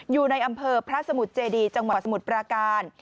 อยู่ในอำเภอพระสมุทรเจดีจังหวัดสมุทรปราการ